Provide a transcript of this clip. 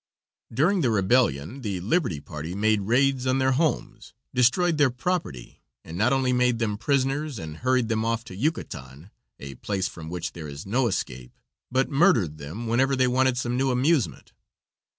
During the rebellion the liberty party made raids on their homes, destroyed their property, and not only made them prisoners and hurried them off to Yucatan a place from which there is no escape but murdered them whenever they wanted some new amusement.